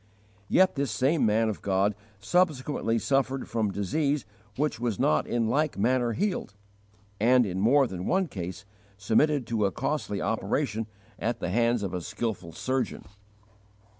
Yet this same man of God subsequently suffered from disease which was not in like manner healed, and in more than one case submitted to a costly operation at the hands of a skilful surgeon.